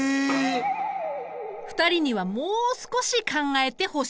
２人にはもう少し考えてほしい。